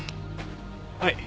はい。